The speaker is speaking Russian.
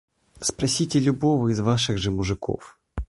Спросите любого из ваших же мужиков.